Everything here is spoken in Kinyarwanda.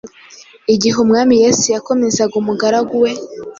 Igihe Umwami Yesu yakomezaga umugaragu we,